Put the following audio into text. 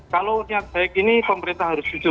kalau niat baik ini pemerintah harus jujur